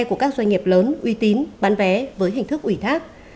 của các doanh nghiệp lớn uy tín bán vé với hình thức ủy thác